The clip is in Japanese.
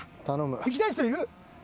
いきたい人いる？